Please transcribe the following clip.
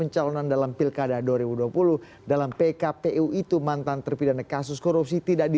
jadi di teguh kal